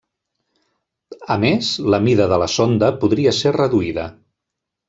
A més, la mida de la sonda podria ser reduïda.